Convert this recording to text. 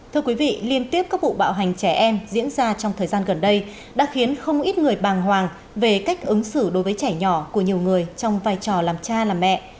thưa quý vị liên tiếp các vụ bạo hành trẻ em diễn ra trong thời gian gần đây đã khiến không ít người bàng hoàng về cách ứng xử đối với trẻ nhỏ của nhiều người trong vai trò làm cha làm mẹ